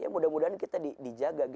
mudah mudahan kita dijaga